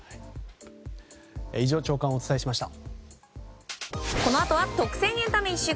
以上朝刊をお伝えしました。